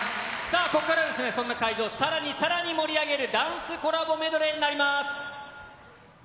さあ、ここからそんな会場をさらにさらに盛り上げる、ダンスコラボメドレーになります。